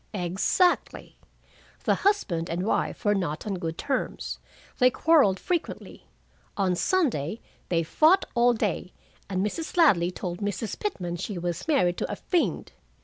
"Exactly. 'The husband and wife were not on good terms. They quarreled frequently. On Sunday they fought all day, and Mrs. Ladley told Mrs. Pitman she was married to a fiend.